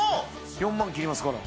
４万切りますから。